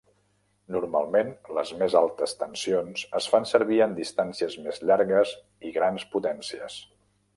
Normalment les més altes tensions es fan servir en distàncies més llargues i grans potències.